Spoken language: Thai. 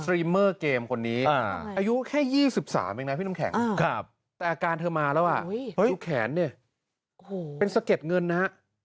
สตรีมเมอร์เกมคนนี้อายุแค่๒๓อย่างนั้นพี่น้ำแข็งนะครับแต่อาการเธอมาแล้วอ่ะจุดแขนเนี่ยเป็นสะเก็ดเงินนะ